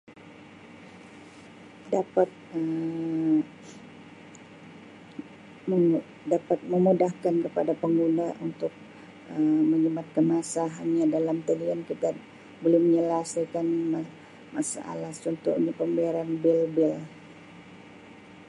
Dapat Um dapat memudahkan kepada pengguna Um untuk menjimatkan masa hanya dalam talian kepad- boleh menyelesaikan masalah, contohnya pembayaran bil-bil.